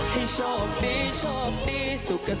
ขอบคุณครับ